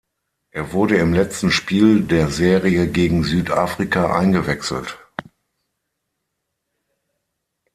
Er wurde im letzten Spiel der Serie gegen Südafrika eingewechselt.